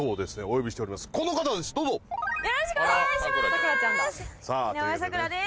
よろしくお願いします。